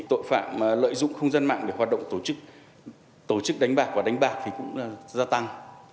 tội phạm lợi dụng không gian mạng để hoạt động tổ chức tổ chức đánh bạc và đánh bạc thì cũng gia tăng